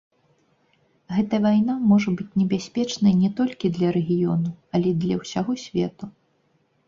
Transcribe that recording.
Гэта вайна можа быць небяспечнай не толькі для рэгіёну, але і для ўсяго свету.